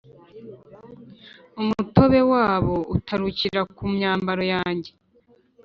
umutobe wabo utarukira ku myambaro yanjye,